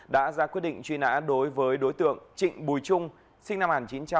đã ra quyết định truy nã đối với đối tượng trịnh bùi trung sinh năm một nghìn chín trăm tám mươi